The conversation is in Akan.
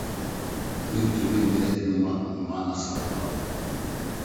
Merentumi nyɛ adwuma mma Asamoah.